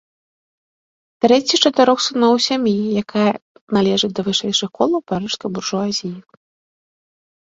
Трэці з чатырох сыноў у сям'і, якая належыць да вышэйшых колаў парыжскай буржуазіі.